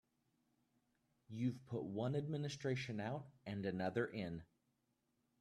You've put one administration out and another in.